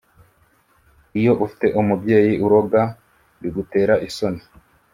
Iyo ufite umubyeyi uroga bigutera isoni